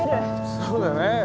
そうだね。